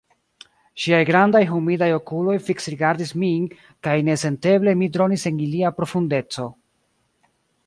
Ŝiaj grandaj humidaj okuloj fiksrigardis min kaj nesenteble mi dronis en ilia profundeco.